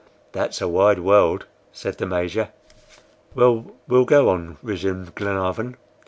"That's a wide world," said the Major. "Well, we'll go on," resumed Glenarvan.